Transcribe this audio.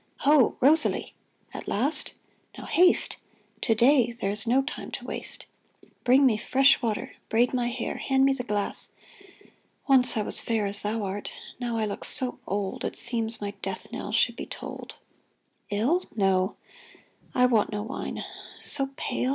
Ho, Rosalie ! At last ? Now haste ! To day there is no time to waste. Bring me fresh water. Braid my hair. Hand me the glass. Once I was fair As thou art. Now I look so old It seems my death knell should be tolled. Ill ? No ! (I want no wine.) So pale